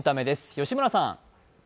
吉村さん。